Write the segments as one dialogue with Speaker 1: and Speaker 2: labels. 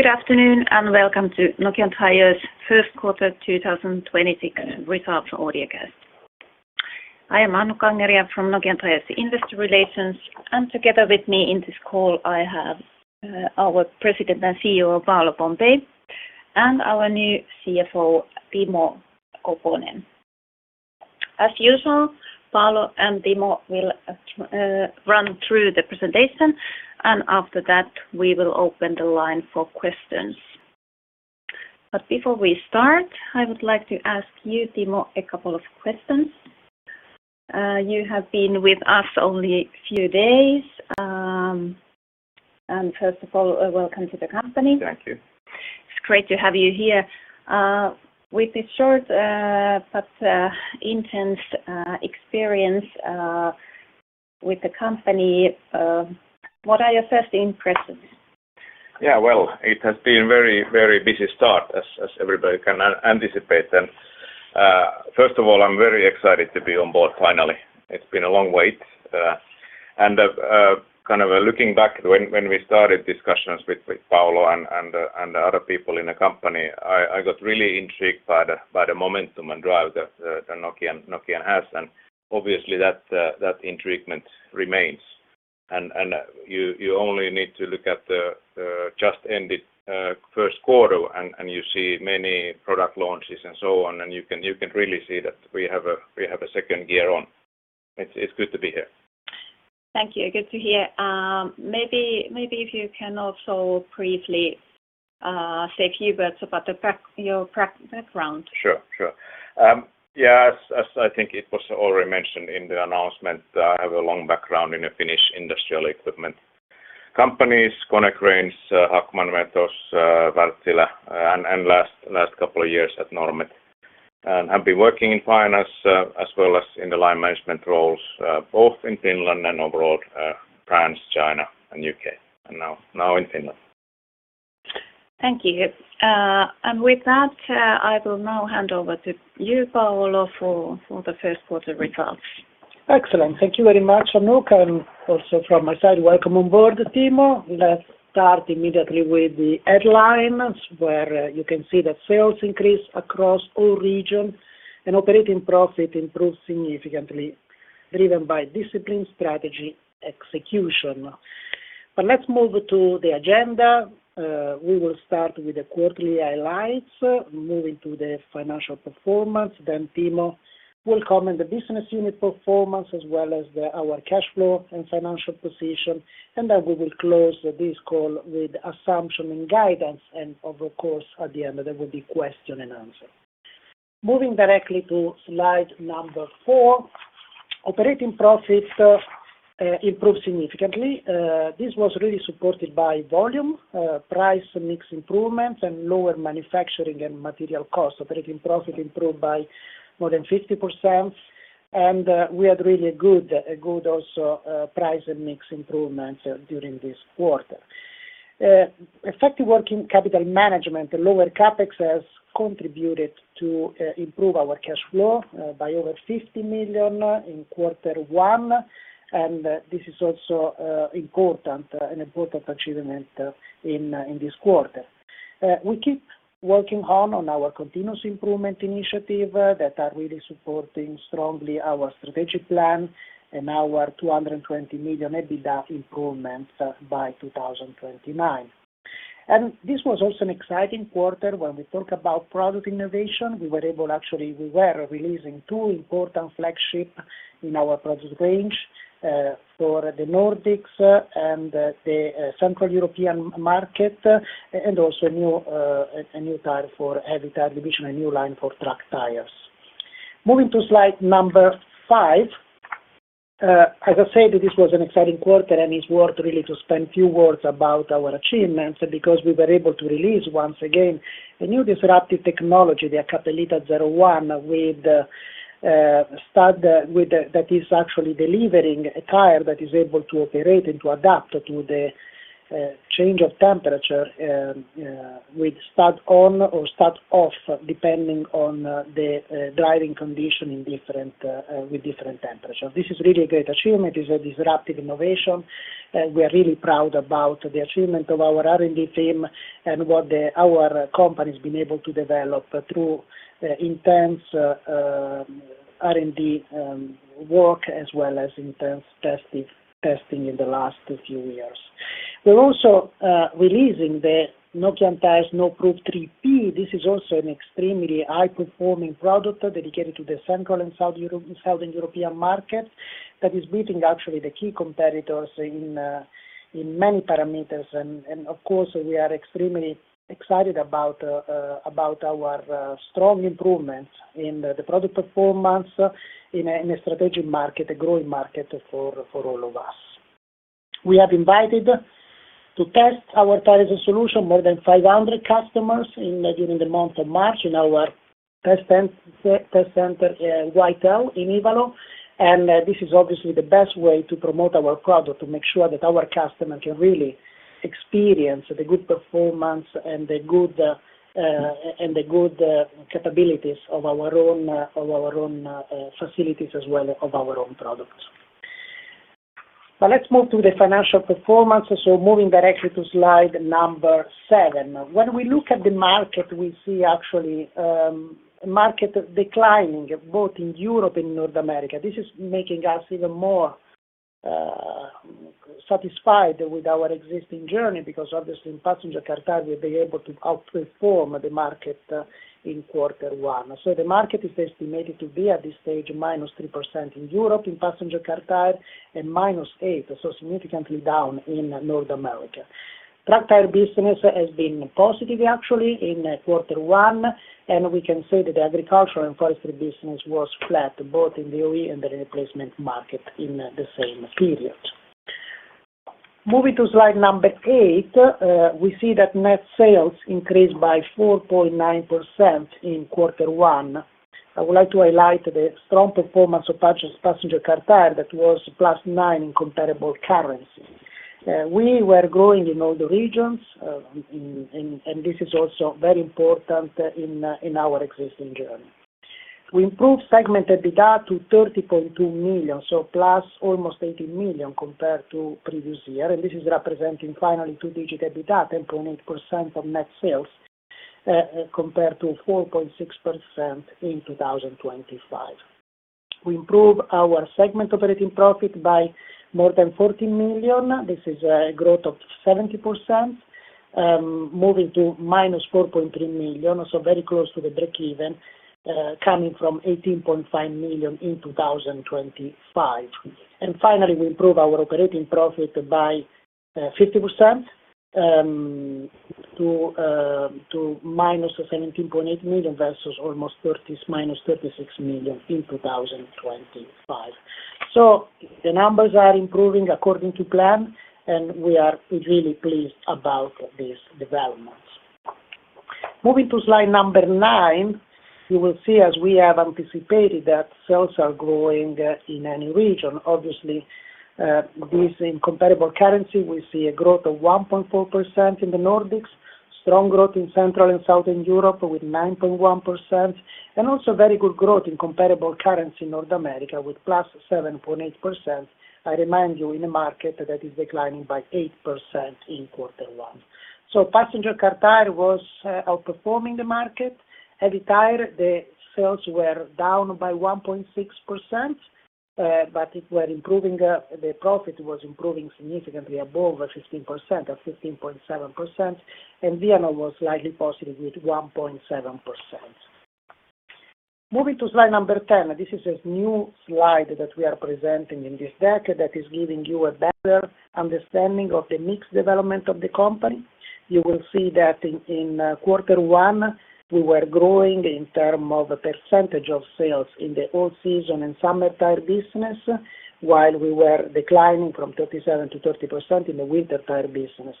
Speaker 1: Good afternoon, and welcome to Nokian Tyres first quarter 2026 results audiocast. I am Annukka Angeria from Nokian Tyres Investor Relations, and together with me in this call, I have our President and CEO, Paolo Pompei, and our new CFO, Timo Koponen. As usual, Paolo and Timo will run through the presentation, and after that, we will open the line for questions. Before we start, I would like to ask you, Timo, a couple of questions. You have been with us only a few days, and first of all, welcome to the company.
Speaker 2: Thank you.
Speaker 1: It's great to have you here. With the short but intense experience with the company, what are your first impressions?
Speaker 2: Yeah. Well, it has been very busy start as everybody can anticipate. First of all, I'm very excited to be on board finally. It's been a long wait. Kind of looking back when we started discussions with Paolo and the other people in the company, I got really intrigued by the momentum and drive that Nokian has, and obviously that intrigue remains. You only need to look at the just ended first quarter, and you can really see that we have a second gear on. It's good to be here.
Speaker 1: Thank you. Good to hear. Maybe if you can also briefly say a few words about your background.
Speaker 2: Sure. As I think it was already mentioned in the announcement, I have a long background in the Finnish industrial equipment companies, Konecranes, Hackman, Metos, Wärtsilä, and last couple of years at Normet. I've been working in finance, as well as in the line management roles, both in Finland and abroad, France, China, and U.K., and now in Finland.
Speaker 1: Thank you. With that, I will now hand over to you, Paolo, for the first quarter results.
Speaker 3: Excellent. Thank you very much, Annukka. Also from my side, welcome on board, Timo. Let's start immediately with the headlines where you can see that sales increased across all regions and operating profit improved significantly, driven by discipline, strategy, execution. Let's move to the agenda. We will start with the quarterly highlights, moving to the financial performance, then Timo will comment the business unit performance as well as our cash flow and financial position. Then we will close this call with assumption and guidance. Of course, at the end there will be question and answer. Moving directly to slide number four, operating profit improved significantly. This was really supported by volume, price, mix improvements, and lower manufacturing and material costs. Operating profit improved by more than 50%, and we had really good also price and mix improvements during this quarter. Effective working capital management and lower CapEx has contributed to improve our cash flow by over 50 million in quarter one, and this is also an important achievement in this quarter. We keep working hard on our continuous improvement initiative that are really supporting strongly our strategic plan and our 220 million EBITDA improvements by 2029. This was also an exciting quarter when we talk about product innovation. We were able, actually, we were releasing two important flagship in our product range, for the Nordics and the Central European market, and also a new tire for Heavy Tyres division, a new line for truck tires. Moving to slide number five. As I said, this was an exciting quarter, and it's worth really to spend a few words about our achievements because we were able to release, once again, a new disruptive technology, the Hakkapeliitta 01, that is actually delivering a tire that is able to operate and to adapt to the change of temperature with stud on or stud off, depending on the driving condition with different temperatures. This is really a great achievement. It is a disruptive innovation, and we are really proud about the achievement of our R&D team and what our company's been able to develop through intense R&D work as well as intense testing in the last few years. We're also releasing the Nokian Tyres Snowproof 3P. This is also an extremely high-performing product dedicated to the Central and Southern European market that is beating actually the key competitors in many parameters, and of course, we are extremely excited about our strong improvements in the product performance in a strategic market, a growing market for all of us. We have invited to test our tires and solution more than 500 customers during the month of March in our test center, White Hell in Ivalo. This is obviously the best way to promote our product to make sure that our customer can really experience the good performance and the good capabilities of our own facilities as well as of our own products. Let's move to the financial performance. Moving directly to slide number seven. When we look at the market, we see actually a market declining both in Europe and North America. This is making us even more satisfied with our existing journey because obviously in Passenger Car Tires, we've been able to outperform the market in quarter one. The market is estimated to be at this stage -3% in Europe in Passenger Car Tires and -8%, so significantly down in North America. Truck tire business has been positive actually in quarter one, and we can say that agricultural and forestry business was flat both in the OE and the replacement market in the same period. Moving to slide number eight, we see that net sales increased by 4.9% in quarter one. I would like to highlight the strong performance of Passenger Car Tires that was +9% in comparable currency. We were growing in all the regions, and this is also very important in our existing journey. We improved segment EBITDA to 30.2 million, so plus almost 18 million compared to previous year. This is representing finally two-digit EBITDA, 10.8% of net sales, compared to 4.6% in 2025. We improved our segment operating profit by more than 14 million. This is a growth of 70%, moving to -4.3 million, so very close to the breakeven, coming from 18.5 million in 2025. Finally, we improve our operating profit by 50% to -17.8 million versus almost -36 million in 2025. The numbers are improving according to plan, and we are really pleased about these developments. Moving to slide number nine, you will see as we have anticipated, that sales are growing in any region. Obviously, this in comparable currency, we see a growth of 1.4% in the Nordics, strong growth in Central and Southern Europe with 9.1%, and also very good growth in comparable currency in North America with +7.8%. I remind you, in a market that is declining by 8% in quarter one. Passenger Car Tyres was outperforming the market. Heavy Tyres, the sales were down by 1.6%, but the profit was improving significantly above 15% at 15.7%, and Vianor was slightly positive with 1.7%. Moving to slide number 10. This is a new slide that we are presenting in this deck that is giving you a better understanding of the mix development of the company. You will see that in quarter one, we were growing in terms of percentage of sales in the all-season and summer tire business, while we were declining from 37%-30% in the winter tire business.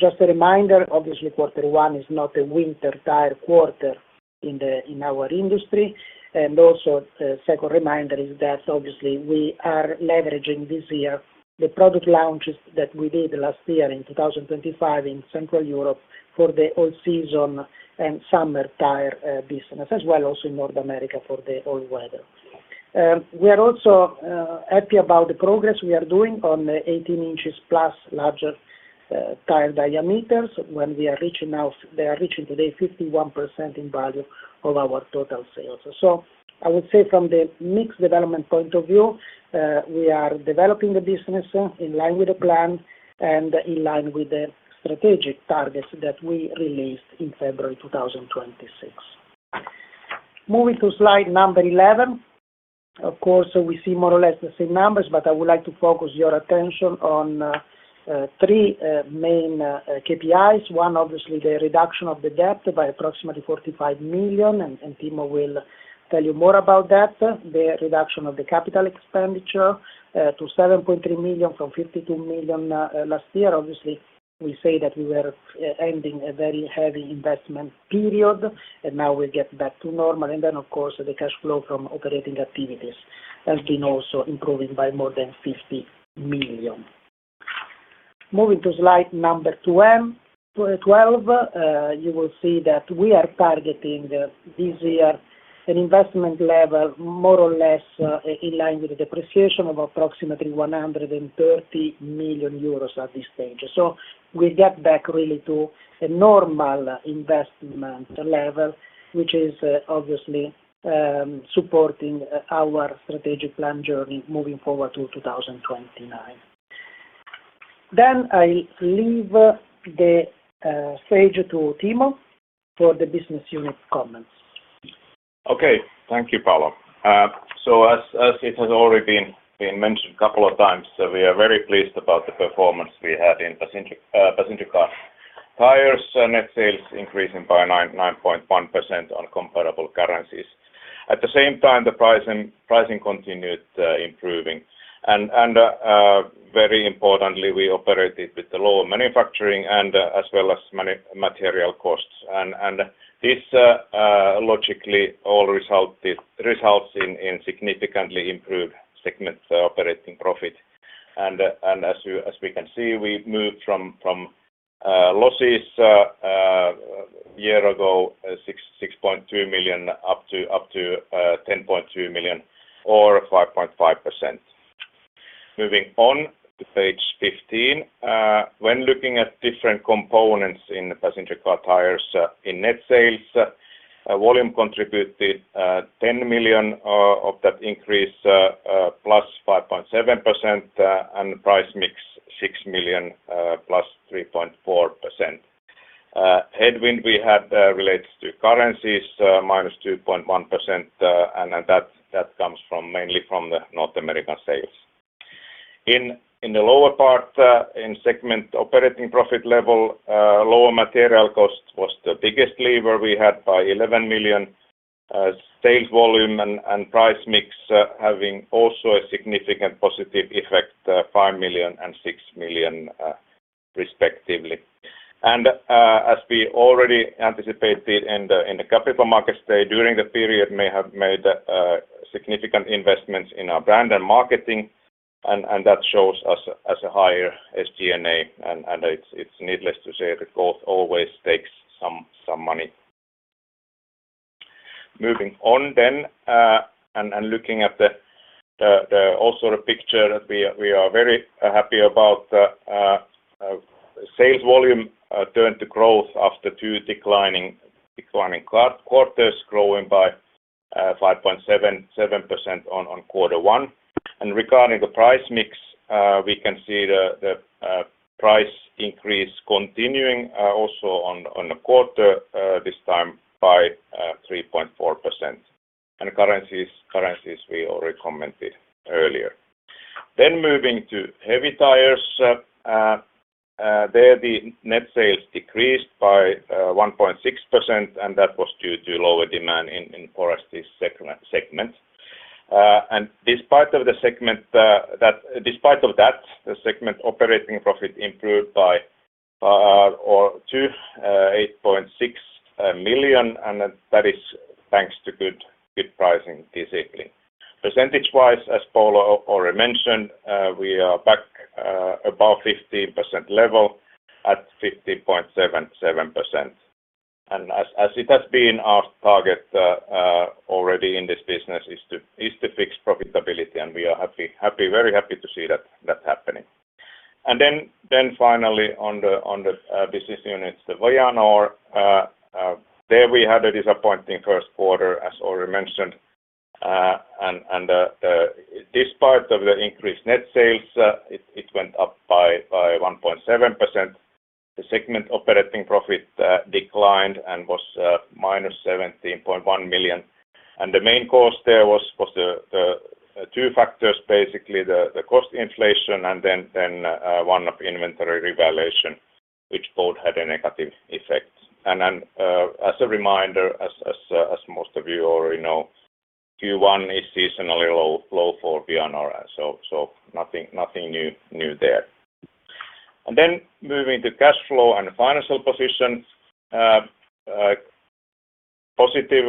Speaker 3: Just a reminder, obviously, quarter one is not a winter tire quarter in our industry. And also, second reminder is that obviously we are leveraging this year the product launches that we did last year in 2025 in Central Europe for the all season and summer tire business, as well also in North America for the all-weather. We are also happy about the progress we are doing on the 18 inches plus larger tire diameters. They are reaching today 51% in value of our total sales. I would say from the mix development point of view, we are developing the business in line with the plan and in line with the strategic targets that we released in February 2026. Moving to slide number 11. Of course, we see more or less the same numbers, but I would like to focus your attention on three main KPIs. One, obviously, the reduction of the debt by approximately 45 million, and Timo will tell you more about that. The reduction of the capital expenditure to 7.3 million from 52 million last year. Obviously, we say that we were ending a very heavy investment period, and now we get back to normal. Then, of course, the cash flow from operating activities has been also improving by more than 50 million. Moving to slide number 12. You will see that we are targeting this year an investment level more or less in line with the depreciation of approximately 130 million euros at this stage. We get back really to a normal investment level, which is obviously supporting our strategic plan journey moving forward to 2029. I leave the stage to Timo for the business unit comments.
Speaker 2: Okay. Thank you, Paolo. It has already been mentioned a couple of times, we are very pleased about the performance we had in Passenger Car Tires, net sales increasing by 9.1% on comparable currencies. At the same time, the pricing continued improving, and very importantly, we operated with the lower manufacturing and as well as material costs. This logically all results in significantly improved segment operating profit. As we can see, we moved from losses year ago, 6.2 million up to 10.2 million or 5.5%. Moving on to page 15. When looking at different components in the Passenger Car Tires in net sales, volume contributed 10 million of that increase, +5.7%, and price mix 6 million, +3.4%. Headwind we had relates to currencies, -2.1%, and that comes mainly from the North American sales. In the lower part, in segment operating profit level, lower material cost was the biggest lever we had by 11 million sales volume and price mix had also a significant positive effect, 5 million and 6 million respectively. As we already anticipated in the Capital Markets Day, during the period we may have made significant investments in our brand and marketing, and that shows as a higher SG&A, and it's needless to say, the growth always takes some money. Moving on then, looking at the overall picture we are very happy about sales volume return to growth after two declining quarters, growing by 5.7% on quarter one. Regarding the price mix, we can see the price increase continuing also on the quarter, this time by 3.4%. Currencies, we already commented earlier. Moving to Heavy Tyres. There, the net sales decreased by 1.6%, and that was due to lower demand in forestry segment. Despite of that, the segment operating profit improved by 8.6 million, and that is thanks to good pricing discipline. Percentage-wise, as Paolo already mentioned, we are back above 15% level at 15.77%. As it has been our target already in this business is to fix profitability, and we are very happy to see that happening. Then finally on the business units, Vianor, there we had a disappointing first quarter, as already mentioned. This part of the increased net sales, it went up by 1.7%. The segment operating profit declined and was -17.1 million. The main cause there was two factors, basically, the cost inflation and then one-off inventory revaluation, which both had a negative effect. As a reminder, as most of you already know, Q1 is seasonally low for Vianor, so nothing new there. Moving to cash flow and financial position. Positive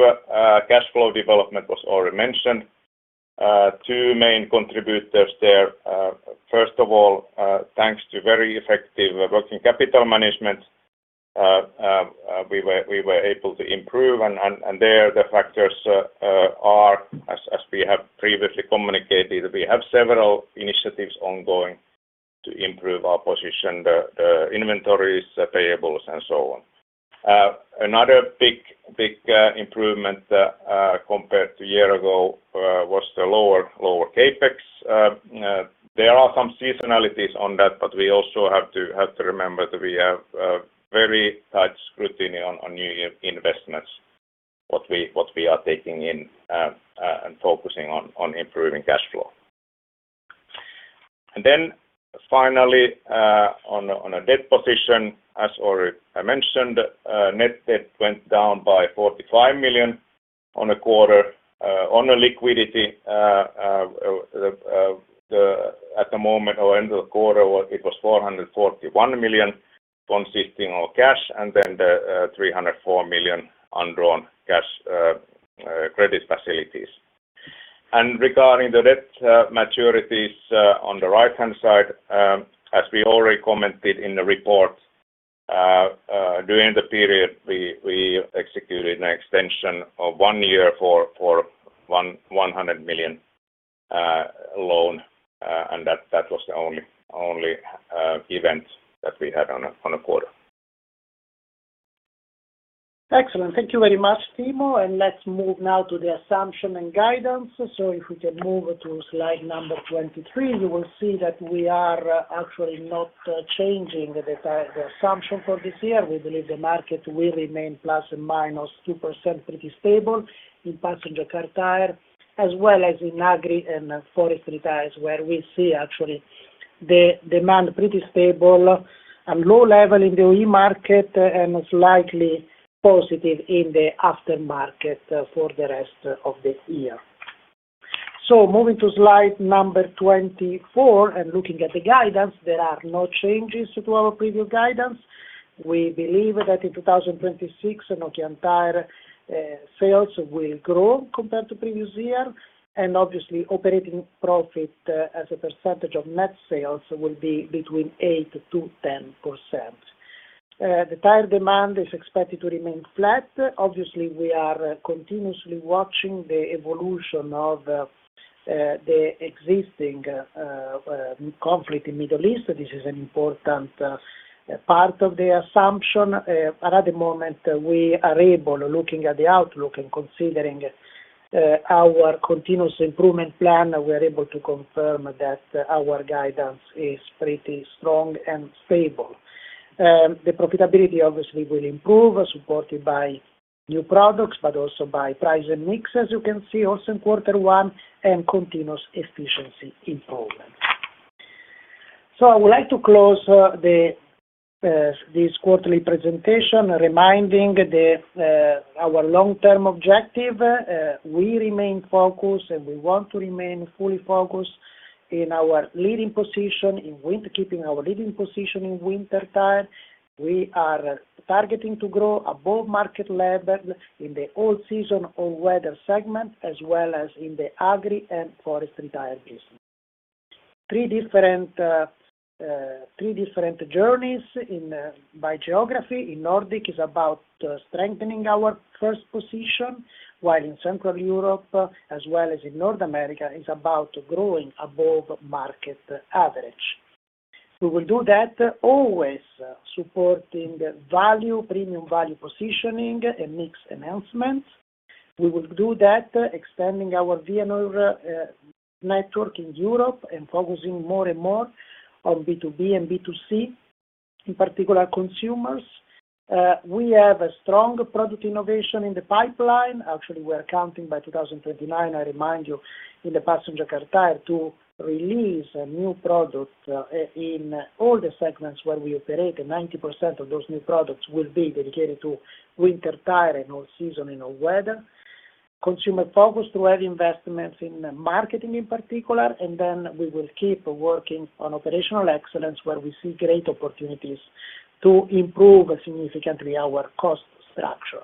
Speaker 2: cash flow development was already mentioned. Two main contributors there. First of all, thanks to very effective working capital management, we were able to improve, and there the factors are, as we have previously communicated, we have several initiatives ongoing to improve our position, the inventories, payables and so on. Another big improvement compared to year ago was the lower CapEx. There are some seasonalities on that, but we also have to remember that we have very tight scrutiny on new investments, what we are taking in, and focusing on improving cash flow. Finally, on a debt position, as already I mentioned, net debt went down by 45 million on a quarter. On liquidity, at the moment or end of the quarter, it was 441 million consisting of cash and then the 304 million undrawn cash credit facilities. Regarding the debt maturities on the right-hand side, as we already commented in the report, during the period, we executed an extension of one year for 100 million loan, and that was the only event that we had on a quarter.
Speaker 3: Excellent. Thank you very much, Timo. Let's move now to the assumption and guidance. If we can move to slide 23, you will see that we are actually not changing the assumption for this year. We believe the market will remain ±2%, pretty stable in passenger car tire, as well as in agri and forestry tires, where we see actually the demand pretty stable and low level in the OE market and slightly positive in the after market for the rest of the year. Moving to slide 24 and looking at the guidance, there are no changes to our previous guidance. We believe that in 2026, Nokian Tyres sales will grow compared to previous year, and obviously operating profit as a percentage of net sales will be between 8%-10%. The tire demand is expected to remain flat. Obviously, we are continuously watching the evolution of the existing conflict in Middle East. This is an important part of the assumption. At the moment we are able, looking at the outlook and considering our continuous improvement plan, we are able to confirm that our guidance is pretty strong and stable. The profitability obviously will improve, supported by new products, but also by price and mix as you can see also in quarter one, and continuous efficiency improvement. I would like to close this quarterly presentation reminding our long-term objective. We remain focused, and we want to remain fully focused in our leading position, in keeping our leading position in winter tire. We are targeting to grow above market level in the all-season, all-weather segment, as well as in the agri and forestry tires. Three different journeys by geography. In Nordic it's about strengthening our first position, while in Central Europe as well as in North America, it's about growing above market average. We will do that always supporting value, premium value positioning, and mix enhancements. We will do that expanding our Vianor network in Europe and focusing more and more on B2B and B2C, in particular, consumers. We have a strong product innovation in the pipeline. Actually, we are planning by 2029, I remind you, in the Passenger Car Tires to release a new product, in all the segments where we operate, 90% of those new products will be dedicated to winter tire and all-season and all-weather. Consumer-focused growth investments in marketing in particular, and then we will keep working on operational excellence where we see great opportunities to improve significantly our cost structure.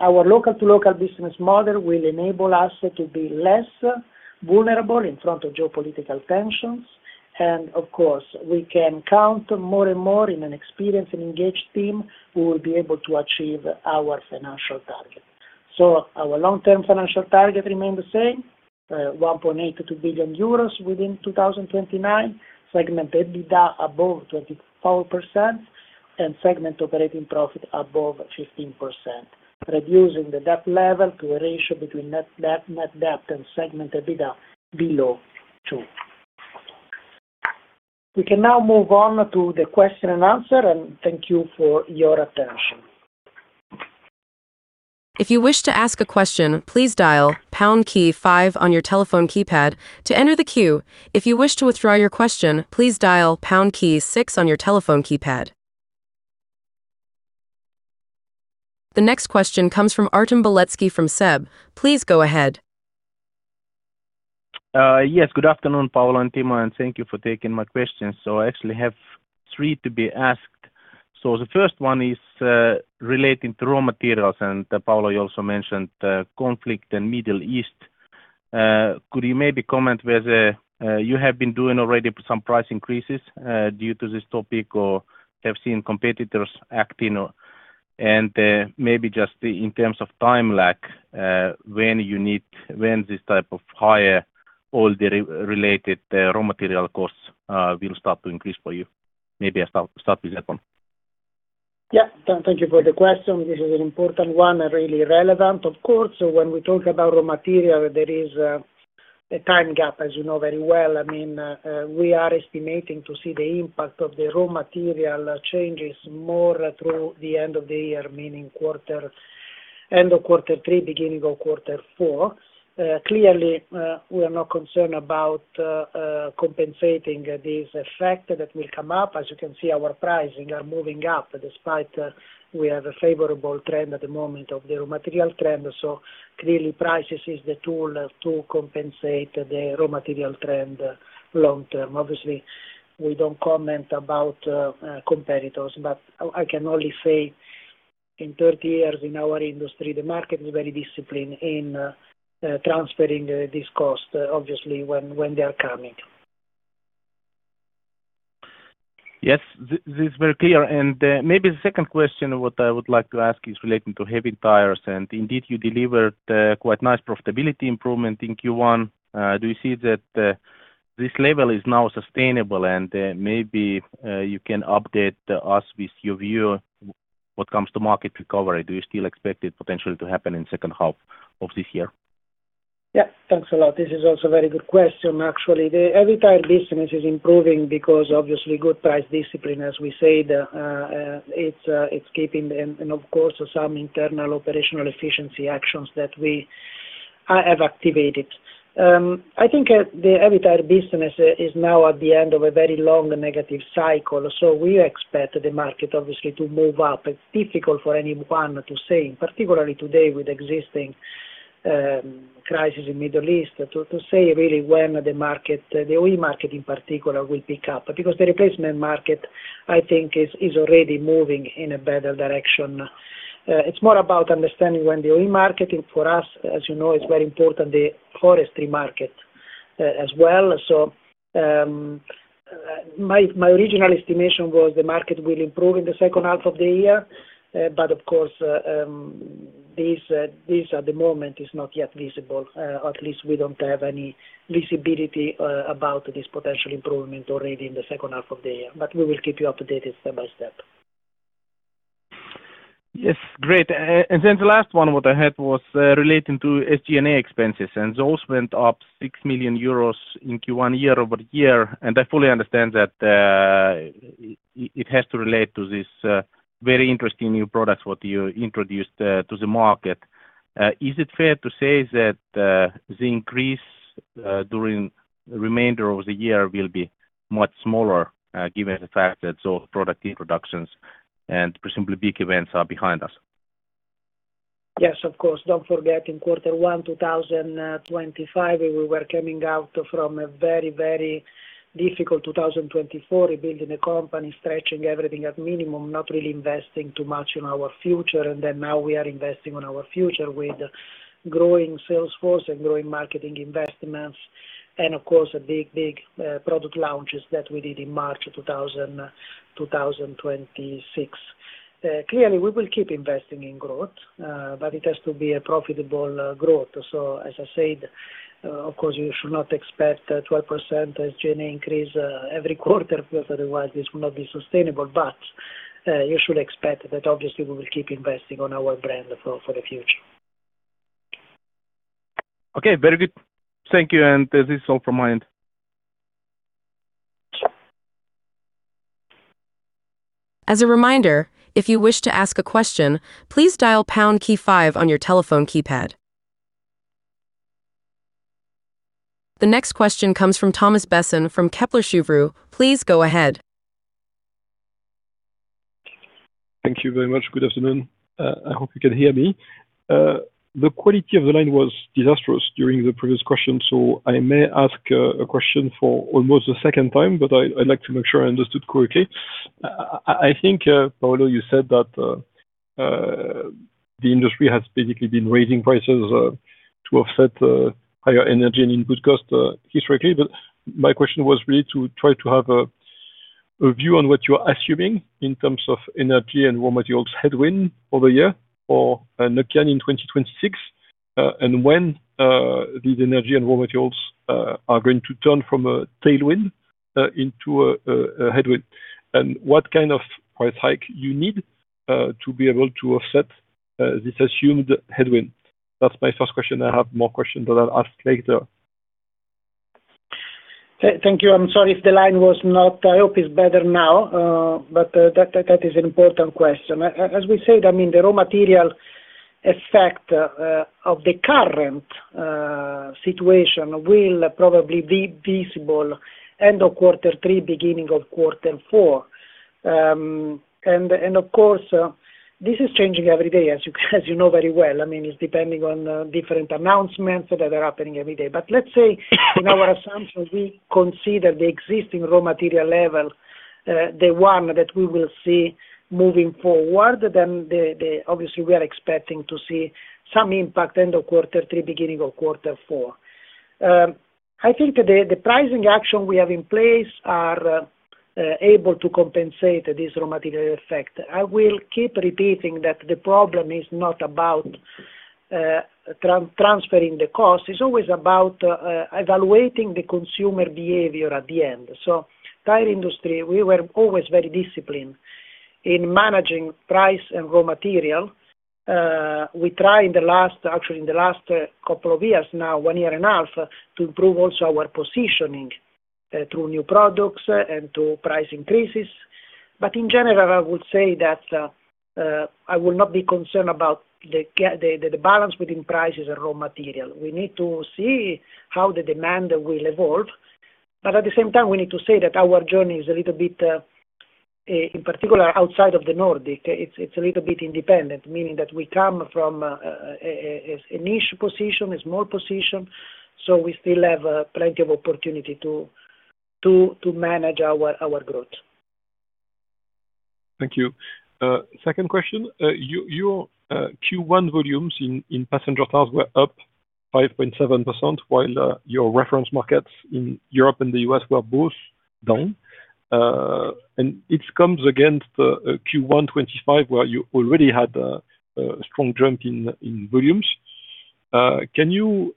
Speaker 3: Our local-to-local business model will enable us to be less vulnerable in front of geopolitical tensions. Of course, we can count more and more in an experienced and engaged team, we will be able to achieve our financial target. Our long-term financial target remains the same, 1.8 billion-2 billion euros within 2029. Segment EBITDA above 24%, and segment operating profit above 15%, reducing the debt level to a ratio between net debt and segment EBITDA below 2%. We can now move on to the question and answer and thank you for your attention.
Speaker 4: The next question comes from Artem Beletski from SEB. Please go ahead.
Speaker 5: Yes, good afternoon, Paolo and Timo, and thank you for taking my question. I actually have three to be asked. The first one is relating to raw materials, and Paolo, you also mentioned the conflict in Middle East. Could you maybe comment whether you have been doing already some price increases due to this topic or have seen competitors acting? Maybe just in terms of time lag, when this type of higher oil-related raw material costs will start to increase for you? Maybe I start with that one.
Speaker 3: Yeah. Thank you for the question. This is an important one and really relevant, of course. When we talk about raw material, there is a time gap, as you know very well. We are estimating to see the impact of the raw material changes more through the end of the year, meaning end of quarter three, beginning of quarter four. Clearly, we are not concerned about compensating this effect that will come up. As you can see, our pricing are moving up, despite we have a favorable trend at the moment of the raw material trend. Clearly prices is the tool to compensate the raw material trend long-term. Obviously, we don't comment about competitors, but I can only say in 30 years in our industry, the market is very disciplined in transferring this cost, obviously, when they are coming.
Speaker 5: Yes. This is very clear. Maybe the second question what I would like to ask is relating to Heavy Tyres, and indeed, you delivered quite nice profitability improvement in Q1. Do you see that this level is now sustainable? Maybe you can update us with your view, what comes to market recovery? Do you still expect it potentially to happen in second half of this year?
Speaker 3: Yeah. Thanks a lot. This is also a very good question, actually. The Heavy Tires business is improving because obviously good price discipline, as we said, it's keeping and of course, some internal operational efficiency actions that we have activated. I think the Heavy Tires business is now at the end of a very long negative cycle. We expect the market obviously to move up. It's difficult for anyone to say, particularly today with existing crisis in Middle East, to say really when the market, the OE market in particular, will pick up. Because the replacement market, I think, is already moving in a better direction. It's more about understanding when the OE market, for us, as you know, is very important, the forestry market, as well. My original estimation was the market will improve in the second half of the year. Of course, this at the moment is not yet visible. At least we don't have any visibility about this potential improvement already in the second half of the year. We will keep you up to date step by step.
Speaker 5: Yes. Great. Then the last one what I had was relating to SG&A expenses, and those went up 6 million euros in Q1 year-over-year. I fully understand that it has to relate to these very interesting new products what you introduced to the market. Is it fair to say that the increase during the remainder of the year will be much smaller, given the fact that all product introductions and presumably big events are behind us?
Speaker 3: Yes, of course. Don't forget in quarter one 2025, we were coming out from a very, very difficult 2024, rebuilding the company, stretching everything at minimum, not really investing too much in our future. Now we are investing on our future with growing sales force and growing marketing investments. Of course, a big, big product launches that we did in March 2026. Clearly, we will keep investing in growth, but it has to be a profitable growth. As I said, of course you should not expect a 12% SG&A increase every quarter because otherwise this will not be sustainable. You should expect that obviously we will keep investing on our brand for the future.
Speaker 5: Okay. Very good. Thank you. This is all from my end.
Speaker 4: As a reminder, if you wish to ask a question, please dial pound key five on your telephone keypad. The next question comes from Thomas Besson from Kepler Cheuvreux. Please go ahead.
Speaker 6: Thank you very much. Good afternoon. I hope you can hear me. The quality of the line was disastrous during the previous question, so I may ask a question for almost a second time, but I'd like to make sure I understood correctly. I think, Paolo, you said that the industry has basically been raising prices, to offset higher energy and input cost historically. My question was really to try to have a view on what you're assuming in terms of energy and raw materials headwind over here or Nokian in 2026. When these energy and raw materials are going to turn from a tailwind into a headwind. What kind of price hike you need to be able to offset this assumed headwind? That's my first question. I have more questions that I'll ask later.
Speaker 3: Thank you. I'm sorry if the line was not. I hope it's better now. That is an important question. As we said, the raw material effect of the current situation will probably be visible end of quarter three, beginning of quarter four. Of course, this is changing every day, as you know very well. It's depending on different announcements that are happening every day. Let's say in our assumptions, we consider the existing raw material level, the one that we will see moving forward, then obviously we are expecting to see some impact end of quarter three, beginning of quarter four. I think the pricing action we have in place are able to compensate this raw material effect. I will keep repeating that the problem is not about transferring the cost. It's always about evaluating the consumer behavior at the end. In the tire industry, we were always very disciplined in managing price and raw material. We try in the last, actually in the last couple of years now, one year and a half, to improve also our positioning through new products and through price increases. In general, I would say that I will not be concerned about the balance between prices and raw material. We need to see how the demand will evolve. At the same time, we need to say that our journey is a little bit, in particular outside of the Nordic, it's a little bit independent, meaning that we come from a niche position, a small position, so we still have plenty of opportunity to manage our growth.
Speaker 6: Thank you. Second question. Your Q1 volumes in passenger cars were up 5.7% while your reference markets in Europe and the U.S. were both down. It comes against Q1 2025, where you already had a strong jump in volumes. Can you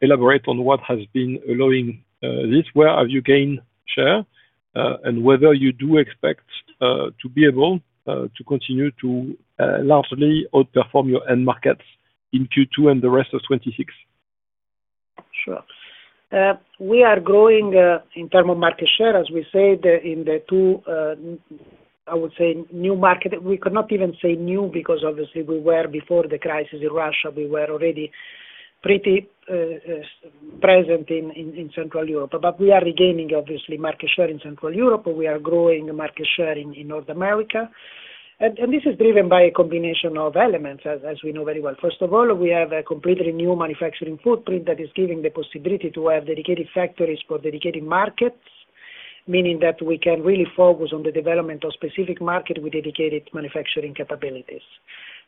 Speaker 6: elaborate on what has been allowing this? Where have you gained share? Whether you do expect to be able to continue to largely outperform your end markets in Q2 and the rest of 2026.
Speaker 3: Sure. We are growing in terms of market share, as we said, in the two, I would say, new markets. We could not even say new because obviously we were before the crisis in Russia. We were already pretty present in Central Europe. We are regaining, obviously, market share in Central Europe. We are growing market share in North America. This is driven by a combination of elements, as we know very well. First of all, we have a completely new manufacturing footprint that is giving the possibility to have dedicated factories for dedicated markets. Meaning that we can really focus on the development of specific markets with dedicated manufacturing capabilities.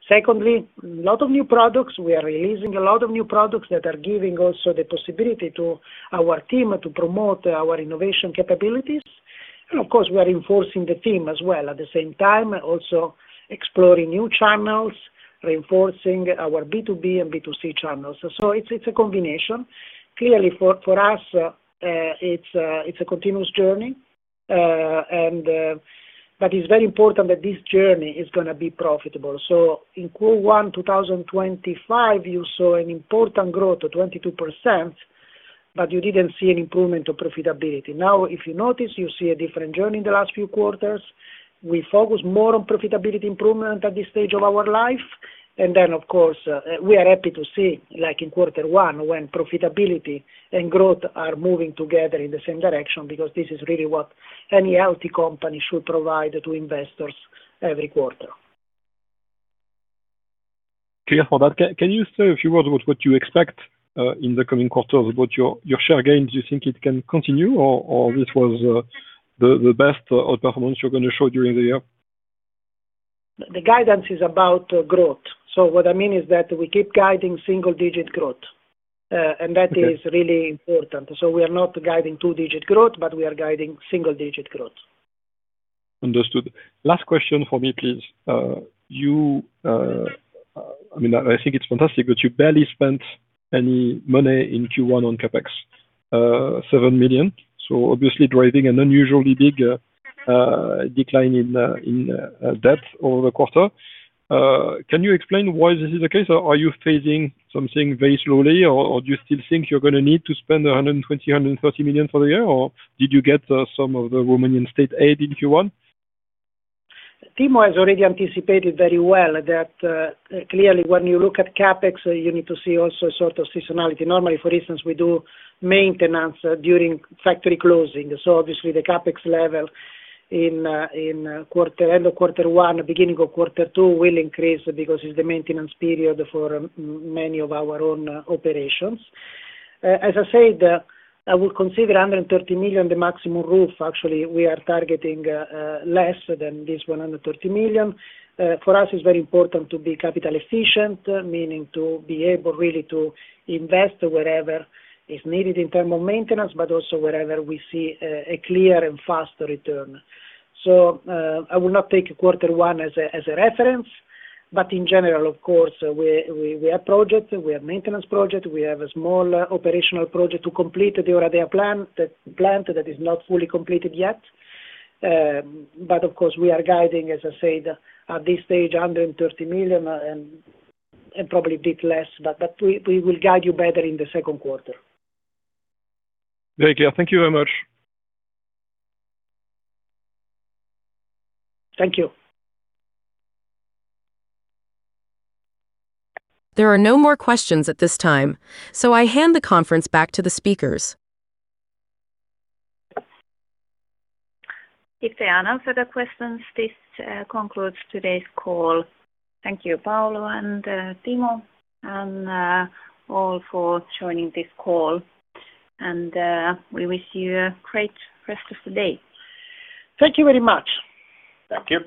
Speaker 3: Secondly, a lot of new products. We are releasing a lot of new products that are giving also the possibility to our team to promote our innovation capabilities. Of course, we are reinforcing the team as well, at the same time, also exploring new channels, reinforcing our B2B and B2C channels. It's a combination. Clearly for us, it's a continuous journey, but it's very important that this journey is going to be profitable. In Q1 2025, you saw an important growth of 22%, but you didn't see an improvement of profitability. Now, if you notice, you see a different journey in the last few quarters. We focus more on profitability improvement at this stage of our life. Then, of course, we are happy to see, like in quarter one, when profitability and growth are moving together in the same direction, because this is really what any healthy company should provide to investors every quarter.
Speaker 6: Clear for that. Can you say a few words about what you expect in the coming quarters about your share gains? Do you think it can continue, or this was the best performance you're going to show during the year?
Speaker 3: The guidance is about growth. What I mean is that we keep guiding single-digit growth, and that is really important. We are not guiding two-digit growth, but we are guiding single-digit growth.
Speaker 6: Understood. Last question for me, please. I think it's fantastic that you barely spent any money in Q1 on CapEx. 7 million. So obviously driving an unusually big decline in debt over the quarter. Can you explain why this is the case, or are you phasing something very slowly, or do you still think you're going to need to spend 120 million, 130 million for the year, or did you get some of the Romanian state aid in Q1?
Speaker 3: Timo has already anticipated very well that clearly when you look at CapEx, you need to see also sort of seasonality. Normally, for instance, we do maintenance during factory closing. Obviously the CapEx level in end of quarter one, beginning of quarter two will increase because it's the maintenance period for many of our own operations. As I said, I would consider under 30 million the maximum roof. Actually, we are targeting less than 130 million. For us, it's very important to be capital efficient, meaning to be able really to invest wherever is needed in terms of maintenance, but also wherever we see a clear and faster return. I will not take quarter one as a reference, but in general, of course, we have projects, we have maintenance project, we have a small operational project to complete. Their plant that is not fully completed yet. Of course, we are guiding, as I said, at this stage, 130 million and probably a bit less, but we will guide you better in the second quarter.
Speaker 6: Very clear. Thank you very much.
Speaker 3: Thank you.
Speaker 4: There are no more questions at this time. I hand the conference back to the speakers.
Speaker 1: If there are no further questions, this concludes today's call. Thank you, Paolo and Timo, and all for joining this call. We wish you a great rest of the day.
Speaker 3: Thank you very much.
Speaker 2: Thank you.